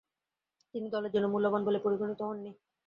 তিনি দলের জন্য মূল্যবান বলে পরিগণিত হননি।